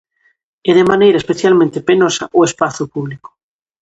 E de maneira especialmente penosa, o espazo público.